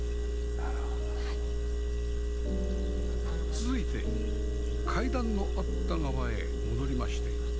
続いて階段のあった側へ戻りまして